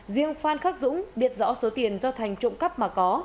riêng phan khắc dũng biết rõ số tiền do thành trộm cắp mà có